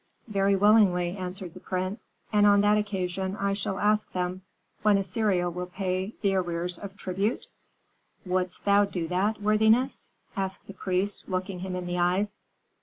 "Very willingly," answered the prince, "and on that occasion I shall ask them when Assyria will pay the arrears of tribute?" "Wouldst thou do that, worthiness?" asked the priest, looking him in the eyes.